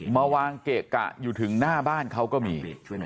มาวางเกะกะอยู่ถึงหน้าบ้านเขาก็มี